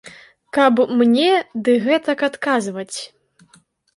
Каб мне ды гэтак адказваць.